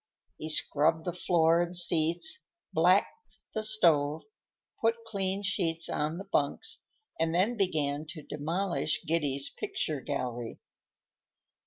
He scrubbed the floor and seats, blacked the stove, put clean sheets on the bunks, and then began to demolish Giddy's picture gallery.